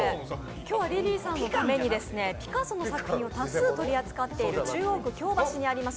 今日はリリーさんのためにピカソの作品を多数扱っている中央区京橋にあります